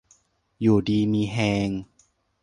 อยู่ดีมีแฮง